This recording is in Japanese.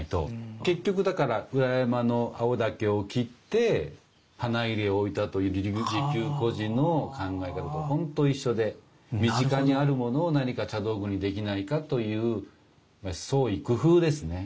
結局だから裏山の青竹を切って花入を置いたという利休居士の考え方と本当一緒で身近にあるものを何か茶道具にできないかという創意工夫ですね。